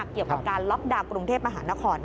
เกี่ยวกับการล็อคดาวน์กรุงเทพในประหารนครภ์